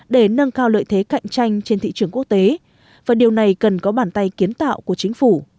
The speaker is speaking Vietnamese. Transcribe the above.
để nâng cao lợi thế cạnh tranh trên thị trường quốc tế và điều này cần có bàn tay kiến tạo của chính phủ